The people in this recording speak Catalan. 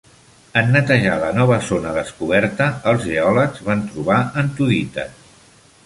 En netejar la nova zona descoberta, els geòlegs van trobar antodites.